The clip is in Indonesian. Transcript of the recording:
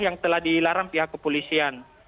yang telah dilarang pihak kepolisian